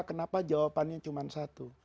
kenapa jawabannya cuma satu